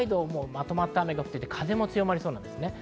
北海道はまとまった雨が降っていて、風も強まりそうです。